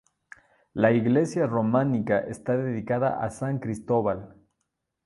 La iglesia románica está dedicada a San cristóbal.